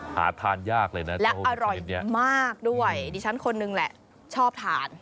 หาทานยากเลยนะและอร่อยมากด้วยดิฉันคนนึงแหละชอบทาน